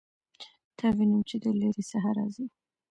تا وینم چې د لیرې څخه راځې